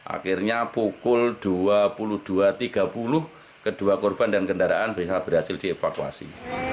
akhirnya pukul dua puluh dua tiga puluh kedua korban dan kendaraan bisa berhasil dievakuasi